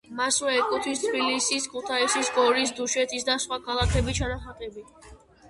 მასვე ეკუთვნის თბილისის, ქუთაისის, გორის, დუშეთის, და სხვა ქალაქების ჩანახატები.